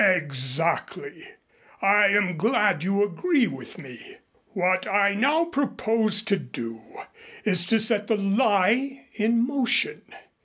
"Exactly. I am glad you agree with me. What I now propose to do is to set the lie in motion.